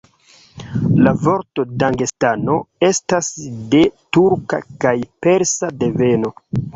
La vorto Dagestano estas de turka kaj persa deveno.